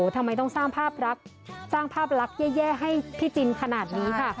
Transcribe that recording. อ๋อทำไมต้องสร้างภาพรักษ์แย่ให้พี่จินขนาดนี้ค่ะ